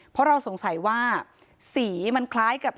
เพราะเราสงสัยว่าสีมันคล้ายกับ